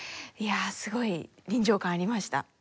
いやすごい臨場感ありました。